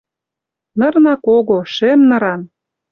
Нырна кого — шӹм ныран.